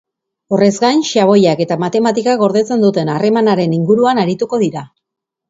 Horrez gain, xaboiak eta matematikak gordetzen duten harremanaren inguruan arituko dira.